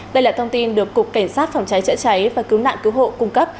đây là thông tin được cục cảnh sát phòng cháy chữa cháy và cứu nạn cứu hộ cung cấp